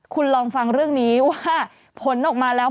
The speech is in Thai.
คุณลองฟังเรื่องนี้ว่าผลออกมาแล้ว